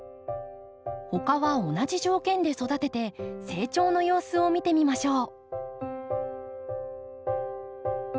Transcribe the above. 他は同じ条件で育てて成長の様子を見てみましょう。